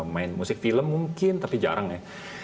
main musik film mungkin tapi jarang ya